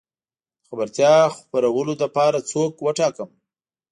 د خبرتيا خورولو لپاره څوک وټاکم؟